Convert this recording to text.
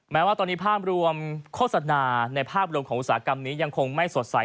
แม้ว่าตอนนี้ภาพรวมโฆษณาในภาพรวมของอุตสาหกรรมนี้ยังคงไม่สดใส